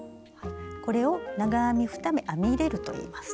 これを「長編み２目編み入れる」といいます。